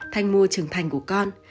thành mùa trưởng thành của con